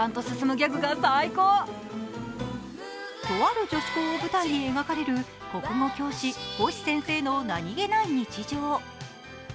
とある女子校を舞台に描かれる国語教師星先生の何気ない日常。